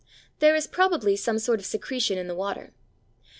There is probably some sort of secretion in the water.